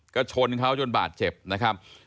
ก็ชนเขาจนบาดเจ็บนะครับ